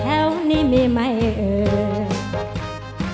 ถ้ามียกมือขึ้นนั่งและยืนอยู่ข้างหลัง